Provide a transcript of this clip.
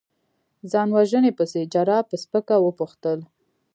ځان وژنې پسې؟ جراح په سپکه وپوښتل.